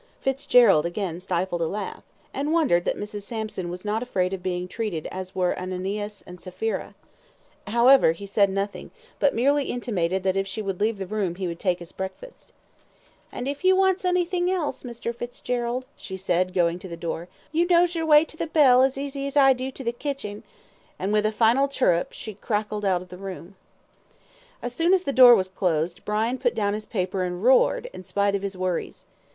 Fitzgerald again stifled a laugh, and wondered that Mrs. Sampson was not afraid of being treated as were Ananias and Sapphira. However, he said nothing, but merely intimated that if she would leave the room he would take his breakfast. "An' if you wants anythin' else, Mr. Fitzgerald," she said, going to the door, "you knows your way to the bell as easily as I do to the kitching," and, with a final chirrup, she crackled out of the room. As soon as the door was closed, Brian put down his paper and roared, in spite of his worries.